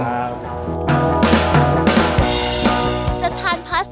ทำสดเลยใครทำอ่ะคุณพ่อครับผม